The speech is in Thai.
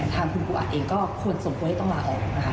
ทางคุณกุอัตเองก็ควรสมควรให้ต้องลาออก